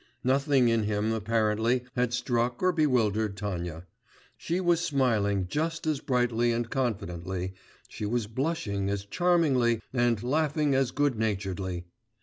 Nothing in him, apparently, had struck or bewildered Tanya; she was smiling just as brightly and confidently, she was blushing as charmingly, and laughing as goodnaturedly.